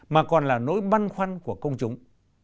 mà còn là nỗi băn khoăn của công chúng